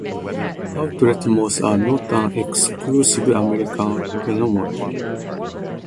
Outlet malls are not an exclusively American phenomenon.